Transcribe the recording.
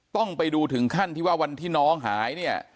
ต้องไปดูถึงขั้นที่ว่าวันที่น้องหายเนี่ย